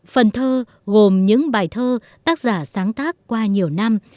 phần thơ gồm những bài thơ tác giả sáng tác qua nhiều năm